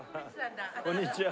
こんにちは。